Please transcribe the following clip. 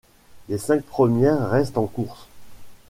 Les cinq premières restent en course.